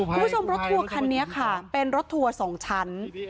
คุณผู้ชมรถทัวร์คันนี้ค่ะเป็นรถทัวร์สองชั้น